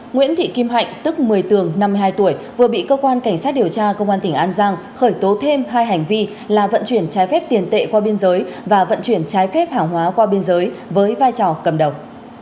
nguyễn thị kim hạnh tức một mươi tường năm mươi hai tuổi vừa bị cơ quan cảnh sát điều tra công an tỉnh an giang khởi tố thêm hai hành vi là vận chuyển trái phép tiền tệ qua biên giới và vận chuyển trái phép hàng hóa qua biên giới với vai trò cầm đầu